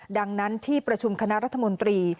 ดังนั้นที่ประชุมคณะรัฐมนตรี